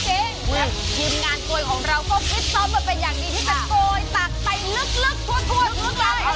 เอายุ่นไปแล้ว